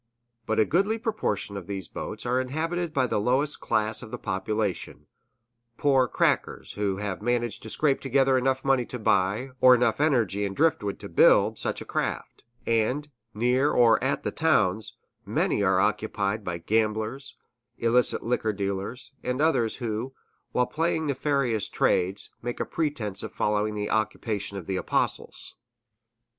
But a goodly proportion of these boats are inhabited by the lowest class of the population, poor "crackers" who have managed to scrape together enough money to buy, or enough energy and driftwood to build, such a craft; and, near or at the towns, many are occupied by gamblers, illicit liquor dealers, and others who, while plying nefarious trades, make a pretense of following the occupation of the Apostles.